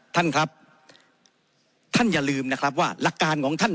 ท่านครับท่านอย่าลืมนะครับว่าหลักการของท่าน